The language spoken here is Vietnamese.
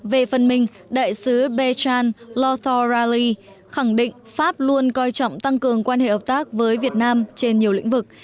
về phân minh đại sứ bé trang lothar rally khẳng định pháp luôn coi trọng tăng cường quan hệ hợp tác với việt nam trên nhiều lĩnh vực